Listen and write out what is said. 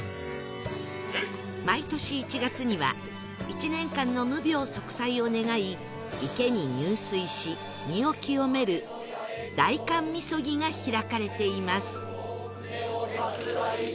毎年１月には一年間の無病息災を願い池に入水し身を清める大寒禊が開かれています